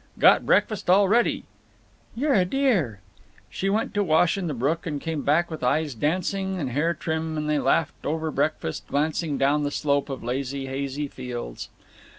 "Got breakfast all ready." "You're a dear!" She went to wash in the brook, and came back with eyes dancing and hair trim, and they laughed over breakfast, glancing down the slope of golden hazy fields.